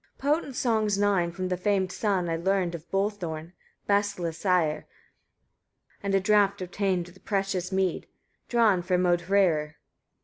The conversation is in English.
142. Potent songs nine from the famed son I learned of Bolthorn, Bestla's sire, and a draught obtained of the precious mead, drawn from Odhrærir.